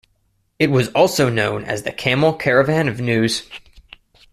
It was also known as the Camel Caravan of News.